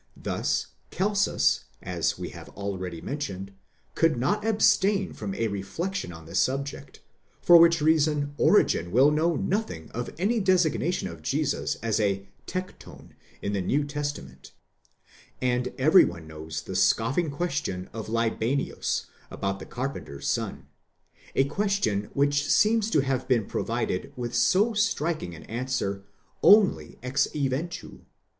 Thus Celsus, as we have already mentioned, could not abstain from a reflection on this subject, for which reason Origen will known nothing of any designation of Jesus as a τέκτων in the New Testa ment ; and every one knows the scoffing question of Libanius about the carpenter's son, a question which seems to have been provided with so striking an answer, only ex eventu.